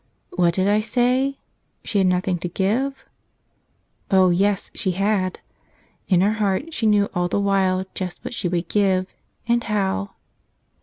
What did I say? She had nothing to give? Oh, yes, she had ! In her heart she knew all the while just what she would give — and how.